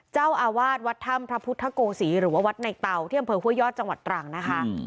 เจ้าอาวาสวัดถ้ำพระพุทธโกศีหรือว่าวัดในเตาที่อำเภอห้วยยอดจังหวัดตรังนะคะ